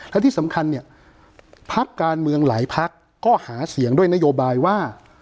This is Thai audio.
และที่สำคัญเนี่ยพักการเมืองหลายพักก็หาเสียงด้วยนโยบายว่า